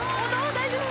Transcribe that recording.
大丈夫？